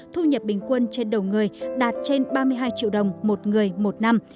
thu nhập bình quân trên đầu người đạt trên ba mươi hai triệu đồng một người một năm